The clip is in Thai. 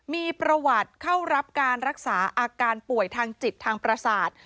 มีประวัติเข้ารับการรักษาอาการป่วยทางจิตทางประสาท